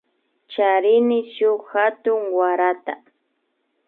Charini shuk hatun warata